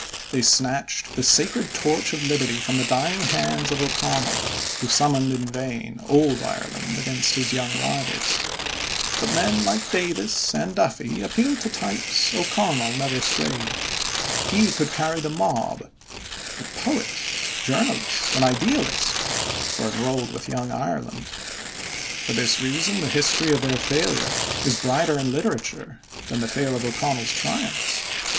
They snatched the sacred torch of Liberty from the dying hands of O'Connell, who summoned in vain old Ireland against his young rivals. But men like Davis and Duffy appealed to types O'Connell never swayed. He could carry the mob, but poet, journalist, and idealist were enrolled with Young Ireland. For this reason the history of their failure is brighter in literature than the tale of O'Connell's triumphs.